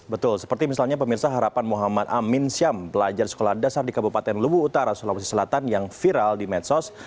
betul seperti misalnya pemirsa harapan muhammad amin syam pelajar sekolah dasar di kabupaten lubu utara sulawesi selatan yang viral di medsos